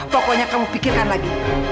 pokoknya kamu pikirkan lagi